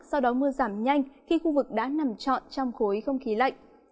sau đó mưa giảm nhanh khi khu vực đã nằm trọn trong khối không khí lạnh